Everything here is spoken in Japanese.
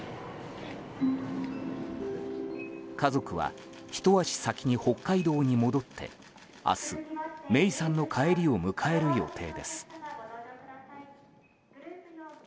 家族は、一足先に北海道に戻って明日、芽生さんの帰りを迎える予定です。